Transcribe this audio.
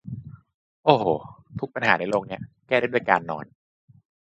โอ้โห ทุกปัญหาในโลกนี้ แก้ได้ด้วยการนอน